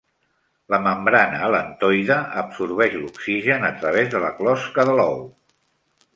La membrana al·lantoide absorbeix l'oxigen a través de la closca de l'ou.